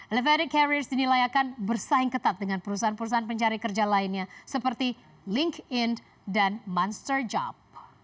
elevary carriers dinilai akan bersaing ketat dengan perusahaan perusahaan pencari kerja lainnya seperti linkedin dan monster jub